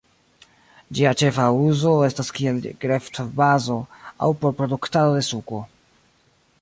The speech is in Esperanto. Ĝia ĉefa uzo estas kiel gretfbazo aŭ por produktado de suko.